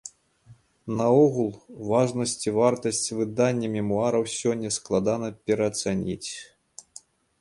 Наогул, важнасць і вартасць выдання мемуараў сёння складана пераацаніць.